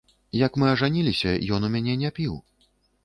Як мы ажаніліся, ён у мяне не піў.